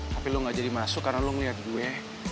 tapi lo gak jadi masuk karena lo ngeliat gue